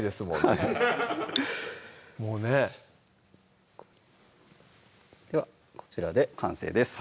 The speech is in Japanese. はいもうねではこちらで完成です